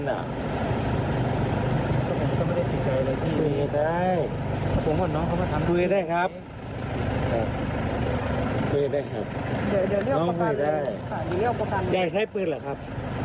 ใจถึงใช้ปืนเหรอครับ